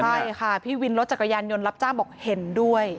ใช่ค่ะพี่วินรถจักรยานยนต์รับจ้างบอกเห็นด้วย